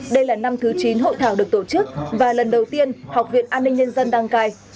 đây là năm thứ chín hội thảo được tổ chức và lần đầu tiên học viện an ninh nhân dân đăng cài